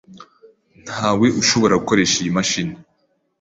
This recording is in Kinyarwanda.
Ntawe ushobora gukoresha iyi mashini.